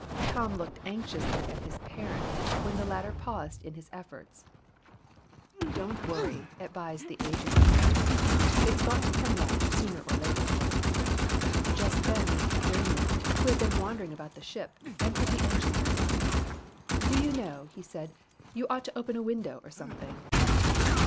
Tom looked anxiously at his parent when the latter paused in his efforts. "Don't worry," advised the aged inventor. "It's got to come right sooner or later." Just then Mr. Damon, who had been wandering about the ship, entered the engine room. "Do you know," he said, "you ought to open a window, or something."